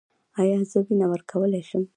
ایا زه وینه ورکولی شم؟